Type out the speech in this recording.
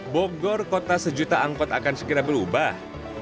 bogor kota sejuta angkot akan segera berubah